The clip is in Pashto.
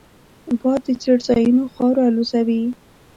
باد د څړځایونو خاوره الوزوي